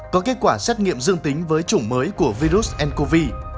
có kết quả xét nghiệm dương tính với chủng mới của virus ncov